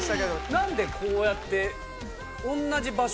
何でこうやって。